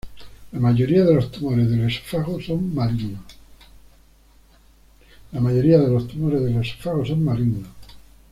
La mayoría de los tumores del esófago son malignos.